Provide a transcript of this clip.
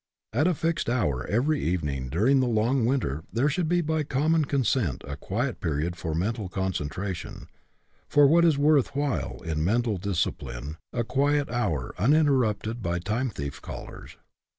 At a fixed hour every evening during the long winter there should be by common consent a quiet period for mental concentra tion, for what is worth while in mental dis cipline, a quiet hour uninterrupted by time thief callers.